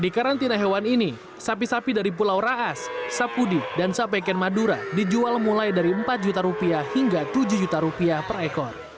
di karantina hewan ini sapi sapi dari pulau raas sapudi dan sapeken madura dijual mulai dari empat juta rupiah hingga tujuh juta rupiah per ekor